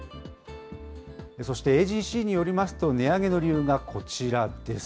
そしてＡＧＣによりますと、値上げの理由がこちらです。